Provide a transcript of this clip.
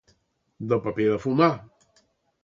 De paper de fumar.